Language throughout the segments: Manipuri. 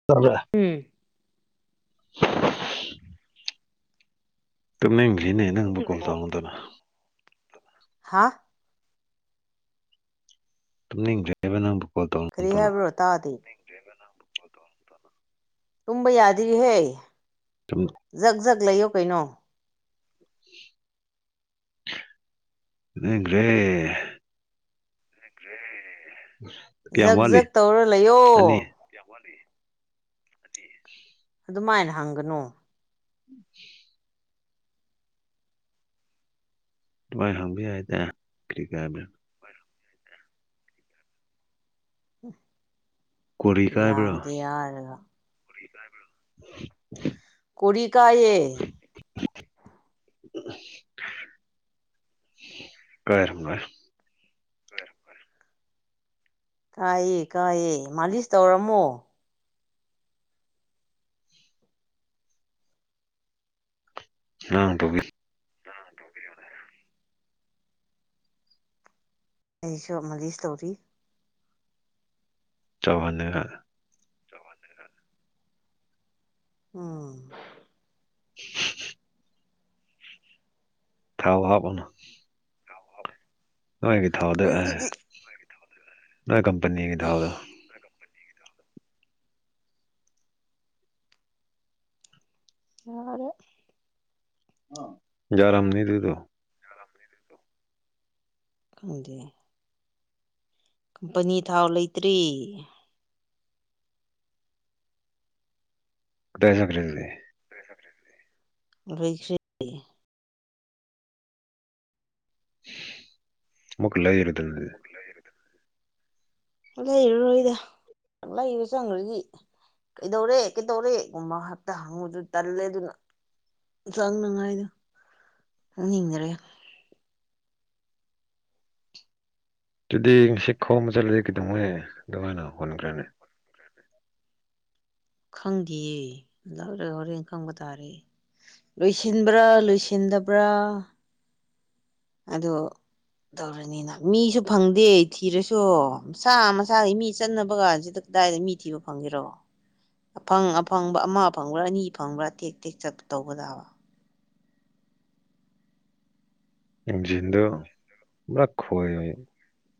[unintelligible] ꯎꯝ ꯇꯨꯝꯅꯤꯡꯗ꯭ꯔꯤꯅꯦ ꯅꯪꯕꯨ [unintelligible] ꯍꯥꯥ ꯇꯨꯝꯅꯤꯡꯗ꯭ꯔꯦꯕ ꯅꯪꯕꯨ ꯀꯣꯜ ꯇꯧꯅ ꯀꯔꯤ ꯇꯧꯅ ꯍꯥꯏꯕ꯭ꯔꯣ ꯇꯥꯗꯦ ꯇꯨꯝꯕ ꯌꯥꯗ꯭ꯔꯤꯍꯦ [unintelligible] ꯖꯛ ꯖꯛ ꯂꯩꯌꯣ ꯀꯩꯅꯣ [unintelligible] ꯀꯌꯥꯝ ꯖꯛ ꯋꯥꯠꯂꯤ ꯖꯛ ꯇꯧꯔ ꯂꯩꯌꯣ ꯑꯅꯤ ꯑꯇꯦ ꯑꯗꯨꯃꯥꯢꯅ ꯍꯪꯒꯅꯣ [inaudible] ꯑꯗꯨꯃꯥꯢ ꯍꯪꯕ ꯌꯥꯢꯗ ꯀꯔꯤ ꯀꯥꯢꯕ꯭ꯔ ꯀꯣꯔꯤ ꯀꯥꯏꯕ꯭ꯔꯣ ꯌꯥꯗꯦ ꯍꯥꯢꯔꯒ [unintelligible] ꯀꯣꯔꯤ ꯀꯥꯌꯦ [unintelligible] ꯀꯥꯏꯔꯝꯂꯣꯏ ꯐꯔꯦ ꯐꯔꯦ ꯀꯥꯏꯌꯦ ꯀꯥꯏꯌꯦ ꯃꯥꯂꯤꯁ ꯇꯧꯔꯝꯃꯣ [unintelligible] ꯇꯧꯕꯤ ꯅꯪꯅ ꯇꯧꯕꯤꯕꯗꯣ ꯑꯩꯁꯨ ꯃꯥꯂꯤꯁ ꯇꯧꯔꯤ [unintelligible] ꯍꯜꯂꯒ ꯇꯧꯍꯜꯂꯒ ꯎꯝ [unintelligible] ꯊꯥꯎ ꯍꯥꯥꯄꯣ ꯑꯃ ꯅꯣꯏꯒꯤ ꯊꯥꯎꯗ ꯑꯗꯨꯗꯤ [unintelligible] ꯅꯣꯏ ꯀꯝꯄꯅꯤꯒꯤ ꯊꯥꯎꯗꯣ ꯌꯥꯔꯦ [unintelligible] ꯌꯥꯔꯝꯅꯤ ꯑꯗꯨꯗꯣ [unintelligible] ꯈꯪꯗꯦ ꯀꯝꯄꯅꯤ ꯊꯥꯎ ꯂꯩꯇ꯭ꯔꯤ ꯀꯗꯥꯏ ꯆꯠꯈ꯭ꯔꯦ ꯑꯗꯨꯗꯤ [unintelligible] ꯂꯣꯏꯈ꯭ꯔꯦ [unintelligible] ꯃꯨꯀ ꯂꯩꯔ ꯗꯃꯤ ꯂꯩꯔꯗꯝꯅꯦ ꯂꯩꯔꯔꯣꯏꯗ ꯂꯩꯕ ꯆꯪꯒ꯭ꯔꯗꯤ ꯀꯩꯗꯧꯔꯦ ꯀꯩꯗꯧꯔꯦꯒꯨꯝꯕ ꯍꯦꯛꯇ ꯍꯪꯕꯗꯨ ꯇꯜꯂꯦ ꯑꯗꯨꯅ ꯆꯪꯅꯉꯥꯏꯗꯣ ꯆꯪꯅꯤꯡꯗꯔꯦ ꯑꯗꯨꯗꯤ ꯉꯁꯤ ꯈꯣꯝꯕ ꯆꯠꯂꯗꯤ ꯀꯩꯗꯧꯉꯩ ꯑꯗꯨꯃꯥꯏꯅ ꯍꯨꯟꯈ꯭ꯔꯅꯤ ꯈꯪꯗꯤꯌꯦ [unintelligible] ꯍꯣꯔꯦꯟ ꯈꯪꯕ ꯇꯥꯔꯤ ꯂꯣꯏꯁꯤꯟꯕ꯭ꯔꯥ ꯂꯣꯏꯁꯤꯟꯗꯕ꯭ꯔꯥ ꯑꯗꯣ ꯇꯧꯔ ꯅꯤꯅ ꯃꯤꯁꯨ ꯐꯪꯗꯦ ꯊꯤꯔꯁꯨ ꯃꯁꯥ ꯃꯁꯥꯒꯤ ꯃꯤ ꯆꯠꯅꯕ ꯒꯥꯟꯁꯤꯗ ꯑꯗꯥꯏꯗ ꯃꯤ ꯊꯤꯕ ꯐꯪꯒꯦꯔꯣ ꯑꯐꯪ ꯑꯐꯪꯕ ꯑꯃ ꯐꯪꯕ꯭ꯔꯥ ꯑꯅꯤ ꯐꯪꯕ꯭ꯔꯥ ꯇꯦꯛ ꯇꯦꯛ ꯆꯠꯄ ꯇꯧꯕ ꯇꯥꯕ ꯏꯖꯤꯟꯗꯣ ꯑꯃꯔꯛ ꯈꯣꯏ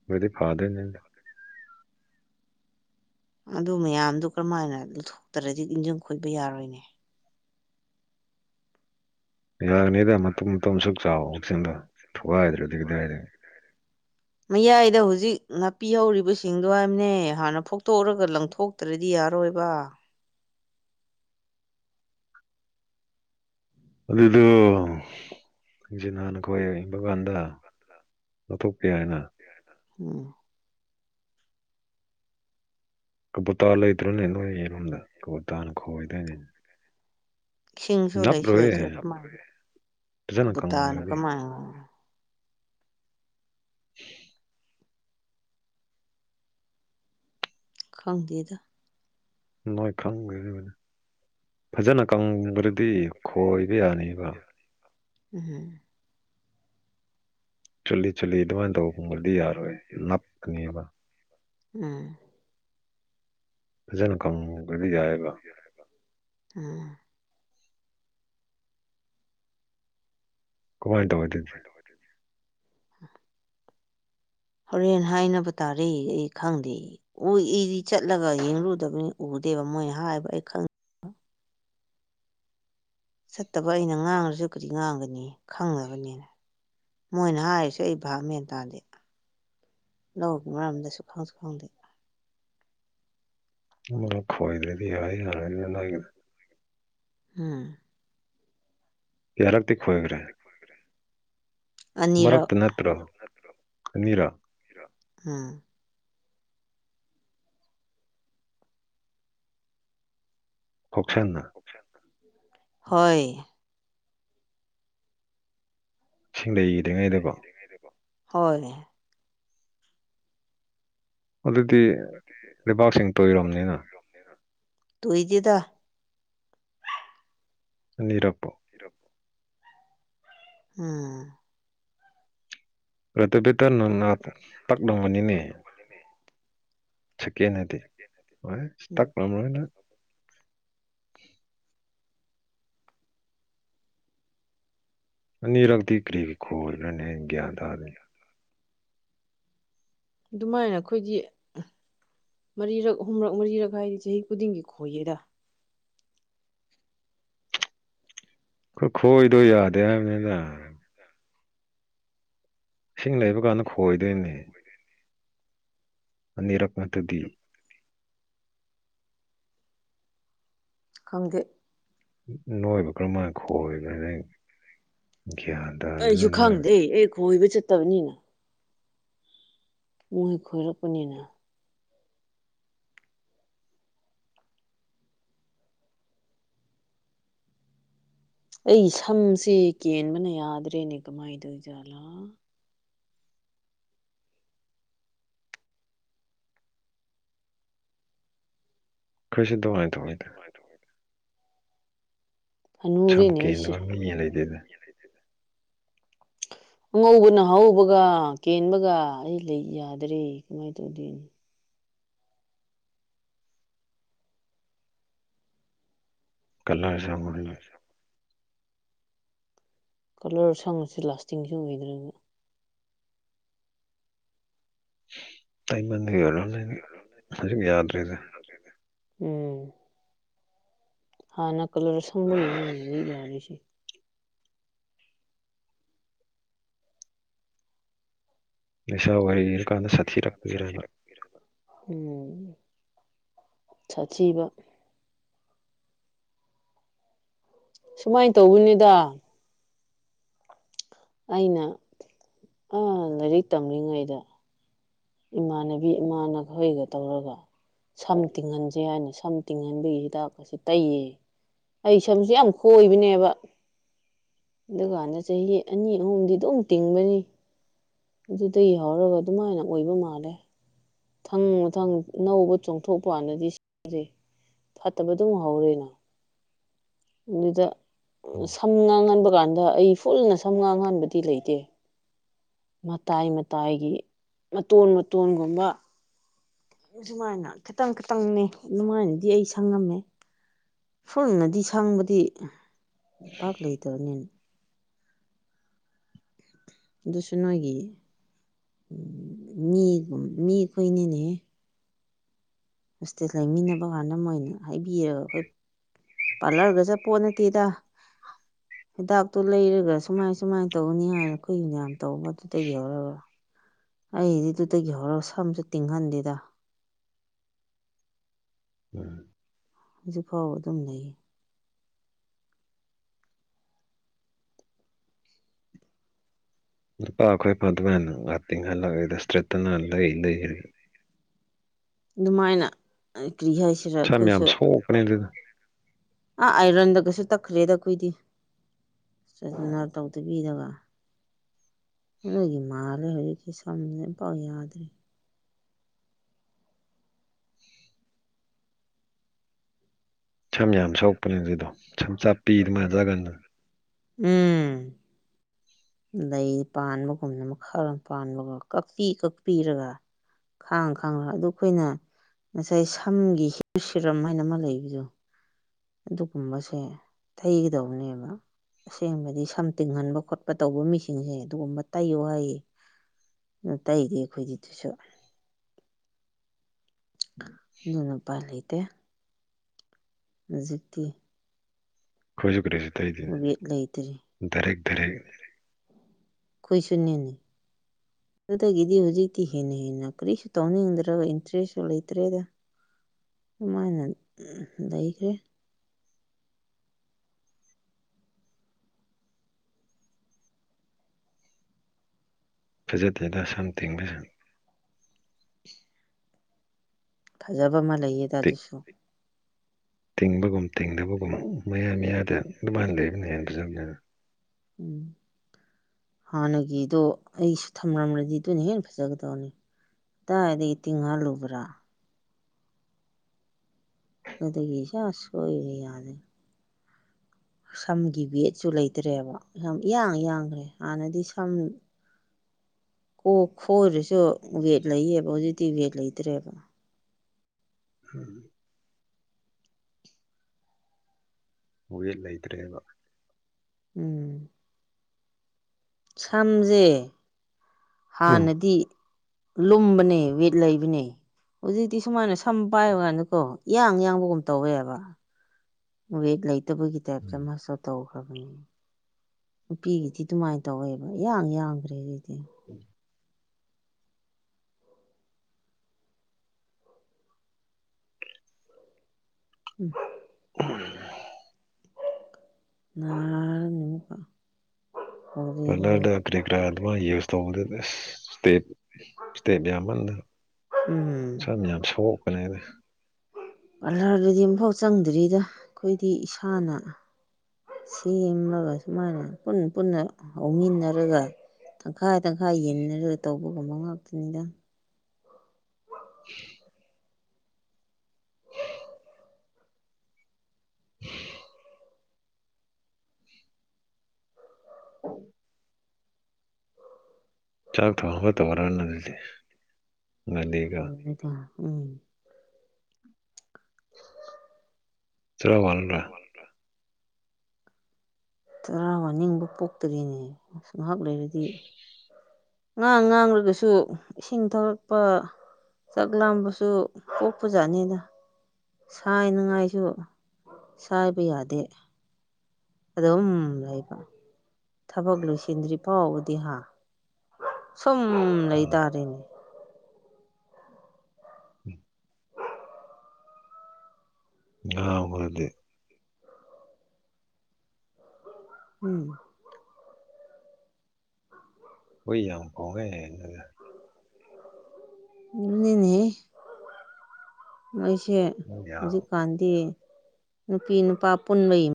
ꯔꯗꯤ ꯐꯥꯒꯅꯤꯗ ꯑꯗꯨ ꯃꯌꯥꯝꯗꯨ ꯀ꯭ꯔꯃꯥꯏꯅ ꯂꯧꯊꯣꯛꯇ꯭ꯔꯗꯤ ꯏꯟꯖꯤꯟ ꯈꯣꯏꯕ ꯌꯥꯔꯣꯏꯅꯦ ꯌꯥꯒꯅꯤꯗ ꯃꯇꯨꯝ ꯃꯇꯨꯝ ꯑꯁꯨꯛ ꯆꯥꯎꯕꯁꯤꯡꯗꯣ ꯊꯨꯒꯥꯏꯗ꯭ꯔꯗꯤ ꯀꯗꯥꯏꯗꯒꯤ ꯃꯌꯥꯏꯗ ꯍꯨꯖꯤꯛ ꯅꯥꯄꯤ ꯍꯧꯔꯤꯕꯁꯤꯡꯗꯣ ꯍꯥꯏꯅꯦ ꯍꯥꯟꯅ ꯐꯨꯛꯇꯣꯛꯔꯒ ꯂꯪꯊꯣꯛ ꯇ꯭ꯔꯗꯤ ꯌꯥꯔꯣꯏꯕ ꯑꯗꯨꯗꯣ ꯏꯟꯖꯤꯟ ꯍꯥꯟꯅ ꯈꯣꯏ [unintelligible] ꯀꯥꯟꯗ ꯂꯧꯊꯣꯛꯄ ꯌꯥꯏꯅ ꯎꯝ ꯀꯕꯨꯇꯥ ꯂꯩꯇ꯭ꯔꯣꯅꯦ ꯅꯣꯏꯔꯣꯝꯗ ꯀꯕꯨꯇꯥꯅ ꯈꯣꯏꯗꯥꯏꯅꯦ ꯏꯁꯤꯡꯁꯨ ꯂꯩꯁꯨ ꯂꯩꯇ꯭ꯔꯦ ꯀꯃꯥꯏ ꯐꯖꯅ ꯀꯕꯨꯇꯥꯅ ꯀꯪꯈ꯭ꯔꯗꯤ ꯀꯃꯥꯏ [unintelligible] ꯈꯪꯇꯦꯗ ꯅꯣꯏ ꯈꯪ [unintelligible] ꯐꯖꯅ ꯀꯪꯕꯗꯗꯤ ꯈꯣꯏꯕ ꯌꯥꯅꯤꯕ ꯎꯝ ꯆꯣꯠꯂꯤ ꯆꯣꯠꯂꯤ ꯑꯗꯨꯃꯥꯏ ꯇꯧ ꯀꯨꯝꯕꯗꯗꯤ ꯌꯥꯔꯣꯏ ꯅꯞꯀꯅꯤꯕ ꯎꯝ ꯐꯖꯅ ꯀꯪꯕꯗꯤ ꯌꯥꯏꯑꯦꯕ ꯎꯝ ꯀꯃꯥꯏꯅ ꯇꯧꯋꯦ ꯑꯗꯨ [inaudible] ꯍꯣꯔꯦꯟ ꯍꯥꯏꯅꯕ ꯇꯥꯔꯦ ꯑꯩ ꯈꯪꯗꯦ ꯎ ꯏꯗꯤ ꯆꯠꯂꯒ ꯌꯦꯡꯂꯨꯗꯕꯅꯤ ꯎꯗꯦꯕ ꯃꯣꯏ ꯍꯥꯏꯕ ꯑꯩ ꯈꯪ ꯆꯠꯇꯕ ꯑꯩꯅ ꯉꯥꯡꯉꯁꯨ ꯀꯔꯤ ꯉꯥꯡꯒꯅꯤ ꯈꯪꯗꯕꯅꯤ ꯃꯣꯏꯅ ꯍꯥꯏꯔꯤꯁꯦ ꯑꯩ ꯚꯥꯞ ꯃꯦꯟ ꯇꯥꯗꯦ ꯂꯧꯒꯤ ꯃꯔꯝꯗꯁꯨ ꯈꯪꯁꯨ ꯈꯪꯗꯦ [unintelligible] ꯎꯝ ꯀꯌꯥꯔꯛꯇꯤ ꯈꯣꯏꯒ꯭ꯔꯦ ꯑꯅꯤꯔꯛ ꯃꯔꯛꯇ ꯅꯠꯇ꯭ꯔꯣ ꯑꯅꯤꯔꯛ ꯎꯝ ꯀꯥꯎꯁꯟꯅ ꯍꯣꯏ ꯏꯁꯤꯡ ꯂꯩꯒꯤꯗ꯭ꯔꯤꯉꯩꯗꯀꯣ ꯍꯣꯏ ꯑꯗꯨꯗꯤ ꯂꯩꯕꯥꯛꯁꯤꯡ ꯇꯣꯏꯔꯝꯅꯤꯅ ꯇꯣꯏꯗꯦꯗ ꯑꯅꯤꯔꯛꯄꯣ ꯎꯝ [unintelligible] ꯅꯪꯅ ꯇꯛꯂꯝꯃꯅꯤꯅꯦ [unintelligible] ꯁꯦꯀꯦꯟ ꯅꯠꯇꯦ ꯍꯣꯏ ꯎꯝ ꯏꯁꯇꯛꯔꯝꯔꯣꯏꯗ ꯑꯅꯤꯔꯛꯇꯤ ꯀꯔꯤꯒꯤ ꯈꯣꯏꯕ꯭ꯔꯅꯦ ꯒ꯭ꯌꯥꯟ ꯇꯥꯗꯦ ꯑꯗꯨꯃꯥꯏꯅ ꯈꯣꯏꯗꯤ ꯃꯔꯤꯔꯛ ꯑꯍꯨꯝꯔꯛ ꯃꯔꯤꯔꯛ ꯍꯥꯏꯗꯤ ꯆꯍꯤ ꯈꯨꯗꯤꯡꯒꯤ ꯈꯣꯏꯌꯦꯗ ꯈꯨꯈꯣꯏꯗꯣ ꯌꯥꯗꯦ ꯍꯥꯏꯕꯅꯤꯗ ꯏꯁꯤꯡ ꯂꯩꯕ ꯀꯥꯟꯗ ꯈꯣꯏꯗꯣꯏꯅꯦ ꯑꯅꯤꯔꯛ ꯅꯠꯇꯗꯤ ꯈꯪꯗꯦ ꯅꯣꯏꯕꯨ ꯀꯔꯝꯃꯥꯢ ꯈꯣꯏꯕ꯭ꯔꯅꯦ ꯒ꯭ꯌꯥꯟ ꯇꯥꯗꯦꯗ ꯑꯩꯁꯨ ꯅꯣꯏ ꯈꯪꯗꯦ ꯑꯩ ꯈꯣꯏꯕ ꯆꯠꯇꯕꯅꯤꯅ ꯃꯣꯏ ꯈꯣꯏꯔꯛꯄꯅꯤꯅ ꯑꯩ ꯁꯝꯁꯦ ꯀꯦꯟꯕꯅ ꯌꯥꯗ꯭ꯔꯦꯅꯦ ꯀꯃꯥꯏ ꯇꯧꯏ ꯖꯥꯠꯂꯥ [unintelligible] ꯁꯝ ꯍꯅꯨꯔꯦꯅꯦ ꯑꯩꯁꯦ ꯀꯦꯟꯗꯕ ꯃꯤ ꯂꯩꯇꯦꯗ ꯑꯉꯧꯕꯅ ꯍꯧꯕꯒ ꯀꯦꯟꯕꯒ ꯑꯩ ꯂꯩ ꯌꯥꯗꯔꯦ ꯀꯃꯥꯏ ꯇꯧꯗꯣꯢꯅꯣ ꯀꯜꯂꯔ ꯁꯪꯕꯒꯤꯅꯦ ꯀꯂꯔ ꯁꯪꯉꯁꯨ ꯂꯥꯁꯇꯤꯡꯖꯨ ꯑꯣꯏꯗ꯭ꯔꯅ ꯇꯩꯃꯟꯕꯒꯤ ꯑꯣꯏꯔꯝꯅꯤꯗ ꯍꯧꯖꯤꯛ ꯌꯥꯗ꯭ꯔꯦꯗ ꯎꯝ ꯍꯥꯟꯅ ꯀꯂꯔ ꯁꯪꯕꯒꯤꯅꯤꯅꯦ ꯃꯤꯠ ꯌꯥꯔꯤꯁꯦ ꯂꯩꯁꯥ ꯑꯣꯏꯔꯤꯔꯀꯥꯟꯗ ꯁꯥꯊꯤꯔꯛꯄꯥꯒꯤꯔꯕ [inaudible] ꯎꯝ ꯁꯥꯊꯤꯕ ꯁꯨꯃꯥꯏꯟ ꯇꯧꯕꯅꯤꯗꯥ ꯑꯩꯅ ꯑꯥ ꯂꯥꯏꯔꯤꯛ ꯇꯝꯂꯤꯉꯩꯗ ꯏꯃꯥꯟꯅꯕꯤ ꯏꯃꯥꯟꯅꯈꯣꯏꯒꯥ ꯇꯧꯔꯒꯥ ꯁꯝ ꯇꯤꯡꯍꯟꯁꯦ ꯍꯥꯏꯅ ꯁꯝ ꯇꯤꯡꯍꯟꯕꯒꯤ ꯍꯤꯗꯥꯛꯀꯥꯁꯦ ꯇꯩꯌꯦ ꯑꯩ ꯁꯝꯁꯦ ꯌꯥꯝ ꯈꯣꯏꯕꯅꯦꯕ ꯑꯗꯨꯀꯥꯟꯗ ꯆꯍꯤ ꯑꯅꯤ ꯑꯍꯨꯝꯗꯤ ꯑꯗꯨꯝ ꯇꯤꯡꯕꯅꯤ ꯑꯗꯨꯗꯒꯤ ꯍꯧꯔꯒꯥ ꯑꯗꯨꯃꯥꯏꯅ ꯑꯣꯏꯕ ꯃꯥꯜꯂꯦ ꯃꯊꯪ ꯃꯊꯪ ꯑꯅꯧꯕ ꯆꯣꯡꯊꯣꯛꯄꯥꯟꯗꯗꯤ ꯁꯤꯔꯦ ꯐꯠꯇꯕ ꯑꯗꯨꯝ ꯍꯧꯔꯦꯅ ꯑꯗꯨꯗ ꯎꯝ ꯁꯝ ꯉꯥꯡꯍꯟꯕ ꯀꯥꯟꯗ ꯑꯩ ꯐꯨꯜꯅ ꯁꯝ ꯉꯥꯡꯍꯟꯕꯗꯤ ꯂꯩꯇꯦ ꯃꯇꯥꯏ ꯃꯇꯥꯏꯒꯤ ꯃꯇꯣꯟ ꯃꯇꯣꯟꯒꯨꯝꯕ ꯖꯨꯃꯥꯏꯅ ꯈꯤꯇꯪ ꯈꯤꯇꯪꯅꯦ ꯑꯗꯨꯃꯥꯏꯅꯗꯤ ꯑꯩ ꯁꯪꯉꯝꯃꯦ ꯐꯨꯟꯅꯗꯤ ꯁꯪꯕꯗꯤ ꯄꯥꯛ ꯂꯩꯇꯕꯅꯤꯅꯦ ꯗꯨꯁꯨ ꯅꯣꯏꯒꯤ ꯃꯤꯒꯨꯝ ꯃꯤ ꯈꯣꯏꯅꯤꯅꯦ ꯍꯣꯁꯇꯦꯜ ꯂꯩꯃꯤꯟꯅꯕ ꯀꯥꯟꯗ ꯃꯣꯏꯅ ꯍꯥꯏꯕꯤꯔꯒꯥ ꯑꯈꯣꯏ ꯄꯥꯔꯂꯔꯒꯥ ꯆꯠꯄꯣꯠ ꯅꯠꯇꯦꯗ ꯍꯤꯗꯥꯛꯇꯣ ꯂꯩꯔꯒ ꯁꯨꯃꯥꯏ ꯁꯨꯃꯥꯏꯅ ꯇꯧꯅꯤ ꯍꯥꯏꯅ ꯑꯈꯣꯏꯒꯤ ꯃꯌꯥꯝ ꯇꯧꯕꯗꯨꯗꯒꯤ ꯍꯧꯔꯒꯥ ꯑꯩꯗꯤ ꯑꯗꯨꯗꯒꯤ ꯍꯧꯔꯒ ꯁꯝꯁꯨ ꯇꯤꯡꯍꯟꯗꯦꯗ ꯎꯝ ꯍꯧꯖꯤꯛꯐꯥꯎ ꯑꯗꯨꯝ ꯂꯩꯌꯦ ꯅꯨꯄꯥ ꯑꯈꯣꯏ [unintelligible] ꯉꯍꯥꯛ ꯇꯤꯡꯍꯜꯂꯒ ꯔꯦꯁꯇ꯭ꯔꯦꯠꯇꯅ ꯂꯩ ꯂꯩꯔꯒꯥ ꯗꯨꯃꯥꯏꯅ ꯑꯥ ꯀ꯭ꯔꯤ ꯍꯥꯏꯁꯤꯔꯥ ꯁꯝ ꯌꯥꯝ ꯑꯈꯣꯏꯁꯨ [inaudible] ꯁꯣꯛꯄꯅꯦ ꯑꯗꯨꯗꯣ ꯑꯥ ꯑꯥꯏꯔꯟꯗ ꯀꯩꯁꯨ ꯇꯛꯈ꯭ꯔꯦꯗ ꯑꯈꯣꯏꯗꯤ [unintelligible] ꯇꯧꯗꯕꯤꯗꯥꯒ ꯅꯣꯏꯒꯤ ꯃꯥꯜꯂꯦ ꯍꯧꯖꯤꯛꯀꯤ ꯁꯝꯖꯦ ꯑꯝꯄꯥꯎ ꯌꯥꯗ꯭꯭ꯔꯦ ꯁꯝ ꯌꯥꯝ ꯁꯣꯛꯄꯅꯦ ꯑꯗꯨꯗꯣ ꯁꯝ ꯆꯞꯄꯤꯗꯣ [unintelligible] ꯎꯝ ꯂꯩ ꯄꯥꯟꯕꯒꯨꯝꯅ ꯃꯈꯔ ꯄꯥꯟꯕꯒꯥ ꯀꯛꯄꯤ ꯀꯛꯄꯤꯔꯒꯥ ꯈꯥꯡ ꯈꯥꯡꯔꯥ ꯑꯗꯨ ꯑꯩꯈꯣꯏꯅ ꯉꯁꯥꯏ ꯁꯝꯒꯤ ꯁꯤꯔꯝ ꯍꯥꯏꯅ ꯑꯃ ꯂꯩꯕꯗꯣ ꯑꯗꯨꯒꯨꯝꯕꯁꯦ ꯊꯩꯒꯗꯧꯕꯅꯦꯕ ꯑꯁꯦꯡꯕꯗꯤ ꯁꯝ ꯇꯤꯡꯍꯟꯕ ꯈꯣꯠꯄ ꯇꯧꯕ ꯃꯤꯁꯤꯡꯁꯦ ꯑꯗꯨꯒꯨꯝꯕ ꯇꯩꯌꯣ ꯍꯥꯏꯌꯦ ꯑꯥ ꯇꯩꯗꯤ ꯑꯩꯈꯣꯏꯗꯤ ꯗꯨꯁꯨ [inaudible] ꯑꯗꯨꯅ ꯎꯄꯥꯏ ꯂꯩ ꯇꯦ ꯅꯖꯤꯛꯇꯤ ꯈꯣꯏꯖꯨ ꯀꯔꯤꯖꯨ ꯇꯩꯗꯦꯅꯦ ꯋꯦꯠ ꯗꯥꯏꯔꯦꯛ ꯗꯥꯏꯔꯦꯛꯅꯦ ꯈꯣꯏꯁꯨꯅꯦꯟꯅꯦ ꯑꯗꯨꯗꯒꯤꯗꯤ ꯍꯧꯖꯤꯛꯇꯤ ꯍꯦꯟꯅ ꯍꯦꯟꯅ ꯀꯔꯤꯁꯨ ꯇꯧꯅꯤꯡꯗ꯭ꯔꯥꯒ ꯏꯟꯇꯔꯦꯁꯁꯨ ꯂꯩꯇ꯭ꯔꯦꯗꯥ ꯗꯨꯃꯥꯏꯅ ꯎꯝꯍꯝ ꯂꯩꯈ꯭ꯔꯦ ꯐꯖꯗꯦꯗꯥ ꯁꯝ ꯇꯤꯡꯕꯁꯨ ꯐꯖꯕ ꯑꯃ ꯂꯩꯌꯦꯗ ꯑꯗꯨꯁꯨ ꯇꯤꯡꯕꯒꯨꯝ ꯇꯤꯡꯗꯕꯒꯨꯝ ꯃꯌꯥ ꯃꯌꯥꯗ ꯑꯗꯨꯃꯥꯏꯅ ꯂꯩꯕꯅ ꯍꯦꯟꯅ ꯐꯖꯕꯅꯤꯗ ꯎꯝ ꯍꯥꯟꯅꯒꯤꯗꯣ ꯑꯩꯁꯨ ꯊꯝꯂꯝꯔꯗꯤ ꯑꯗꯨꯅ ꯍꯦꯟꯅ ꯐꯖꯒꯗꯕꯅꯤ꯫ ꯀꯗꯥꯏꯗꯒꯤ ꯇꯤꯡꯍꯜꯂꯨꯕ꯭ꯔꯥ? ꯑꯗꯒꯤ ꯏꯆꯥ ꯁꯣꯏꯒꯔꯦ [unintelligible] ꯌꯥꯔꯦ꯫ ꯁꯝꯒꯤ ꯋꯦꯠꯁꯨ ꯂꯩꯇꯔꯦꯕ ꯁꯝ ꯏꯌꯥꯡ ꯌꯥꯡꯒ꯭ꯔꯦ ꯍꯥꯟꯅꯗꯤ ꯁꯝ ꯀꯣꯛ ꯈꯣꯏꯔꯁꯨ ꯋꯦꯠ ꯂꯩꯌꯦꯕ ꯍꯧꯖꯤꯛꯇꯤ ꯋꯦꯠ ꯂꯩꯇ꯭ꯔꯦꯕ꯫ [unintelligible] ꯋꯦꯠ ꯂꯩꯇ꯭ꯔꯦꯕ꯫ ꯎꯝ꯫ ꯁꯝꯖꯦ ꯎꯝ ꯍꯥꯟꯅꯗꯤ ꯂꯨꯝꯕꯅꯦ ꯋꯦꯠ ꯂꯩꯕꯅꯦ ꯍꯧꯖꯤꯛꯇꯤ ꯁꯨꯃꯥꯏꯅ ꯁꯨꯝ ꯁꯝ ꯄꯥꯏꯕ ꯀꯥꯟꯗ ꯀꯣ ꯏꯌꯥꯡ ꯌꯥꯡꯕꯒꯨꯝ ꯇꯧꯋꯦꯕ ꯋꯦꯠ ꯂꯩꯇꯕꯒꯤ ꯇꯥꯏꯞꯇ ꯃꯥꯁꯨ ꯇꯧꯈ꯭ꯔꯕꯅꯦ꯫ ꯅꯨꯄꯤꯒꯤꯗꯤ ꯑꯗꯨꯃꯥꯏꯅ ꯇꯧꯋꯦꯕ ꯏꯌꯥꯡ ꯌꯥꯡꯒ꯭ꯔꯦ ꯍꯧꯖꯤꯛꯇꯤ꯫ [inaudible] [inaudible] [unintelligible] ꯉꯔꯥꯡ ꯑꯃꯨꯛꯀ ꯍꯧꯔꯦꯗꯅ ꯄꯥꯂꯔꯗ ꯀꯔꯤꯀꯔꯥ ꯑꯗꯨꯃꯥꯏꯅ ꯌꯨꯁ ꯇꯧꯕꯗꯣ ꯑꯁ [unintelligible] ꯏꯁꯇꯦꯠ ꯌꯥꯝꯃꯟꯗ ꯎꯝ ꯁꯝ ꯃꯌꯥꯝ ꯁꯣꯛꯄꯅꯦꯗ꯫ ꯄꯥꯔꯂꯥꯔꯗꯗꯤ ꯑꯃꯝꯐꯥꯎ ꯆꯪꯗ꯭ꯔꯤꯗ ꯑꯩꯈꯣꯏꯗꯤ ꯏꯁꯥꯅ ꯁꯦꯝꯂꯒ ꯁꯨꯃꯥꯏꯅ ꯄꯨꯟꯅ ꯄꯨꯟꯅ ꯍꯧꯃꯤꯟꯅꯔꯒ ꯇꯪꯈꯥꯏ-ꯇꯪꯈꯥꯏ ꯌꯦꯟꯅꯔꯒ ꯇꯧꯕꯒꯨꯝꯕ ꯉꯥꯛꯇꯅꯤꯗ꯫ [inaudible] [inaudible] [inaudible] [inaudible] ꯆꯥꯛ ꯊꯣꯡꯅꯕ [unintelligible] ꯑꯗꯨꯗꯤ ꯅꯅꯦꯒ [unintelligible] ꯎꯝ꯫ ꯆꯥꯔ ꯋꯥꯜꯕ꯭ꯔ? ꯆꯔꯥ ꯋꯥꯅꯤꯡꯕ ꯄꯣꯛꯇ꯭ꯔꯤꯅꯦ ꯑꯁ ꯉꯥꯏꯍꯥꯛ ꯂꯩꯔꯗꯤ ꯉꯥꯡ-ꯉꯥꯡꯂꯒꯁꯨ ꯏꯁꯤꯡ ꯊꯛꯂꯛꯄ ꯆꯥꯛ ꯂꯥꯝꯕꯁꯨ ꯄꯣꯛꯄꯖꯥꯠꯅꯤꯗ꯫ ꯁꯥꯏꯅꯉꯥꯏꯁꯨ ꯁꯥꯏꯕ ꯌꯥꯗꯦ꯫ ꯑꯗꯨꯝ ꯂꯩꯕ ꯊꯕꯛ ꯂꯣꯏꯁꯤꯟꯗ꯭ꯔꯤ ꯐꯥꯎꯕꯗꯤ ꯍꯥ? ꯁꯨꯝ ꯎꯝ ꯂꯩꯇꯥꯥꯔꯦꯅꯦ꯫ [inaudible] [unintelligible] ꯎꯝ꯫ ꯍꯨꯏ ꯌꯥꯝ ꯈꯣꯡꯉꯦ ꯑꯗꯨꯅ ꯑꯗꯨꯅꯤꯅꯦꯍꯦ ꯃꯣꯏꯁꯦ ꯌꯥꯝ ꯍꯧꯖꯤꯛꯀꯥꯟꯗꯤ ꯅꯨꯄꯤ-ꯅꯨꯄꯥ ꯄꯨꯟꯕꯩ